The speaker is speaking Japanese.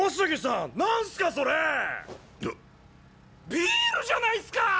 ビールじゃないっすか！